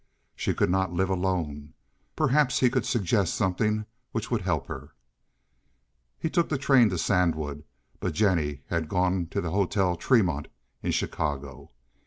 She could not live alone. Perhaps he could suggest something which would help her. He took the train to Sandwood, but Jennie had gone to the Hotel Tremont in Chicago.